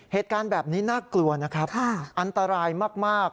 เหตุการณ์แบบนี้น่ากลัวนะครับอันตรายมาก